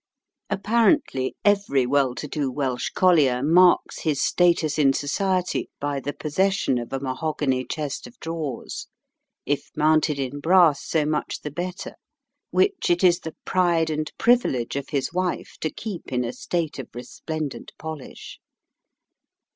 Apparently, every well to do Welsh collier marks his status in society by the possession of a mahogany chest of drawers if mounted in brass so much the better which it is the pride and privilege of his wife to keep in a state of resplendent polish.